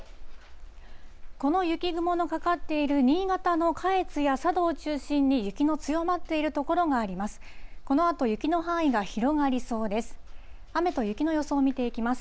この雪雲のかかっている新潟の下越や佐渡を中心に雪の強まっている所があります。